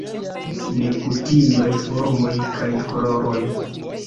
Nekutimaj formoj kaj koloroj.